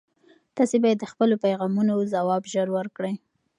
تاسي باید د خپلو پیغامونو ځواب ژر ورکړئ.